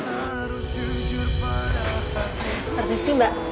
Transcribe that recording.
terima kasih mbak